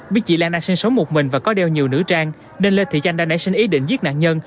biết chị lan đang sinh sống một mình và có đeo nhiều nữ trang nên lê thị chanh đã nảy sinh ý định giết nạn nhân